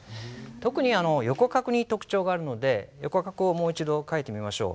特に横画に特徴があるので横画をもう一度書いてみましょう。